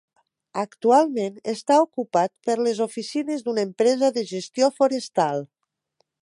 Actualment està ocupat per les oficines d'una empresa de gestió forestal.